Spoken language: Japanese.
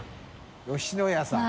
吉野屋」さん。